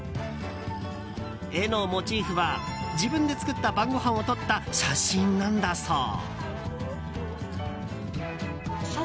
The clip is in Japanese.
絵のモチーフは、自分で作った晩ごはんを撮った写真なんだそう。